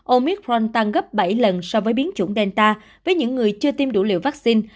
omicron tăng gấp bảy lần so với biến chủng delta với những người chưa tiêm đủ liều vaccine